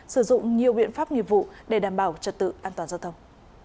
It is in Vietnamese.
sử dụng nhiều biện pháp nghiệp vụ để đảm bảo trật tự an toàn giao thông